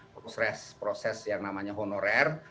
proses proses yang namanya honorer